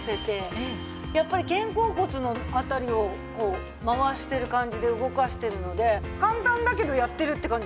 やっぱり肩甲骨の辺りを回してる感じで動かしてるので簡単だけどやってるって感じですよね。